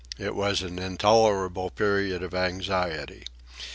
It was an intolerable period of anxiety.